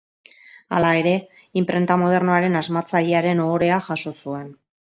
Hala ere, inprenta modernoaren asmatzailearen ohorea jaso zuen.